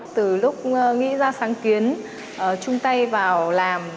từ lúc nghĩ ra sáng kiến chung tay vào làm